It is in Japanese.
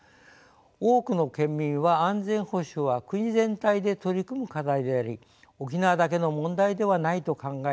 多くの県民は安全保障は国全体で取り組む課題であり沖縄だけの問題ではないと考えております。